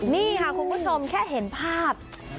นี่ค่ะคุณผู้ชมแค่เห็นภาพ